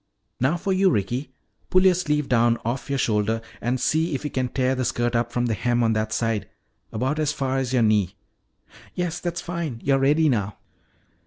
Now for you, Ricky. Pull your sleeve down off your shoulder and see if you can tear the skirt up from the hem on that side about as far as your knee. Yes, that's fine. You're ready now."